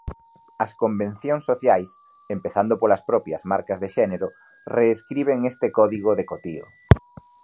As convencións sociais, empezando pola propias marcas de xénero, reescriben este código decotío.